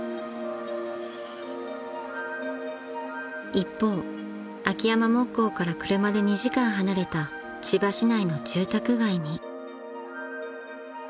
［一方秋山木工から車で２時間離れた千葉市内の住宅街に］